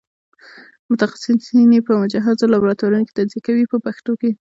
متخصصین یې په مجهزو لابراتوارونو کې تجزیه کوي په پښتو کې.